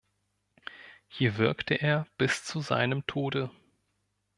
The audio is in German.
Hier wirkte er bis zu seinem Tode.